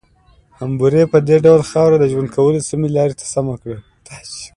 حموربي په دې ډول خاوره د ژوند کولو سمې لارې ته سمه کړه.